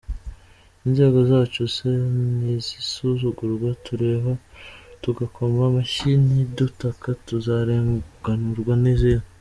Inzego zacu se nizisuzugurwa tureba tugakoma amashyi nidutaka tuzarenganurwa n’izihe ?